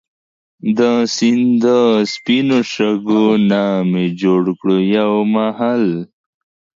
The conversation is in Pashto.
دا سیند دا سپينو شګو نه مي جوړ کړو يو محل